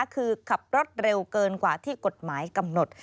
คือขับรถเร็วเกินกว่าที่กฎหมายกำหนด